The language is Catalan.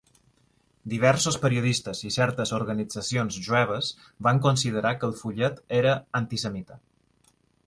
Diversos periodistes i certes organitzacions jueves van considerar que el fullet era antisemita.